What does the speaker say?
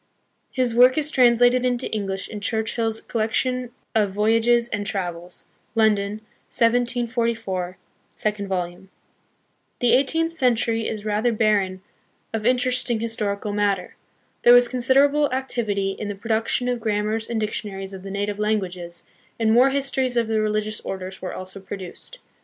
His work is translated into English in Churchill's Collection of Voyages and Trav els, London, 1744, second volume. The eighteenth century is rather barren of interesting A SUBJECT FOR HISTORICAL STUDY. 19 historical matter. There was considerable activity in the production of grammars and dictionaries of the native languages, and more histories of the religious orders were also produced.